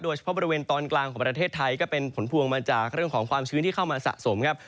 เฉพาะบริเวณตอนกลางของประเทศไทยก็เป็นผลพวงมาจากเรื่องของความชื้นที่เข้ามาสะสมครับ